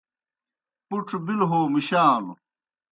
پُڇ بِلوْ ہو مُشانوْ